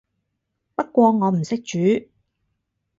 不過我唔識煮